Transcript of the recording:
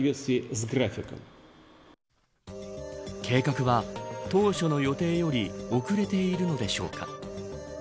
計画は当初の予定より遅れているのでしょうか。